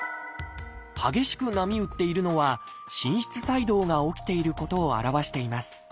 激しく波打っているのは心室細動が起きていることを表しています。